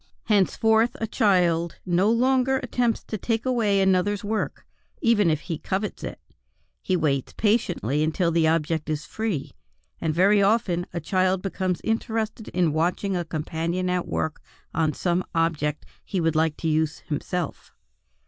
Henceforward a child no longer attempts to take away another's work; even if he covet it, he waits patiently until the object is free; and very often a child becomes interested in watching a companion at work on some object he would like to use himself.